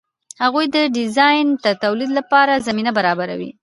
هغوی د ډیزاین د تولید لپاره زمینه برابروي.